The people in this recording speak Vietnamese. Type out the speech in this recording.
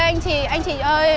anh chị ơi